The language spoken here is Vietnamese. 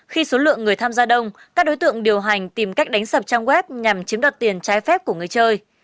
khi số lượng người tham gia đông các đối tượng điều hành tìm cách đánh sập trang web nhằm chiếm đoạt tiền trái phép của người chơi